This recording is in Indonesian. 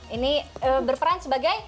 ini berperan sebagai